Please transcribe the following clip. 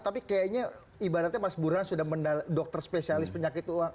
tapi kayaknya ibaratnya mas burhan sudah mendala dokter spesialis penyakit uang